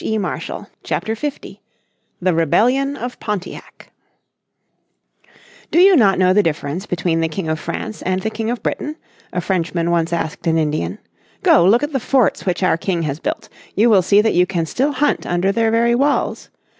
__________ Chapter 50 The Rebellion of Pontiac "Do you not know the difference between the King of France and the King of Britain?" a Frenchman once asked an Indian. "Go, look at the forts which our King has built, you will see that you can still hunt under their very walls.